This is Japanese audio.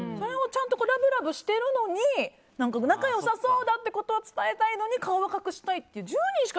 ラブラブしているのに仲良さそうだってことを伝えたいのに、顔は隠したいって。